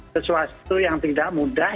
sesuatu yang tidak mudah